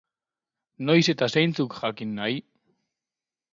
Noiz eta zeintzuk jakin nahi?